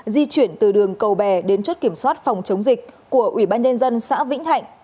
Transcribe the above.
di chuyển từ đường cầu bè đến chốt kiểm soát phòng chống dịch của ủy ban nhân dân xã vĩnh thạnh